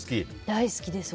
大好きです。